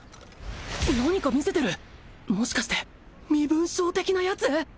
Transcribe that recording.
何か見せてるもしかして身分証的なやつ？